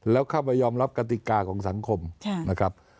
แล้วเข้าไปยอมรับกติกาของสังคมนะครับ